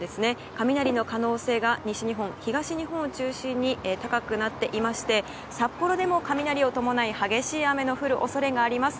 雷の可能性が西日本、東日本を中心に高くなっていまして札幌でも雷を伴い激しい雨の降る恐れがあります。